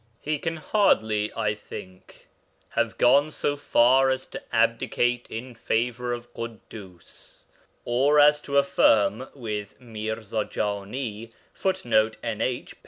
He can hardly, I think, have gone so far as to 'abdicate' in favour of Ḳuddus, or as to affirm with Mirza Jani [Footnote: NH, p.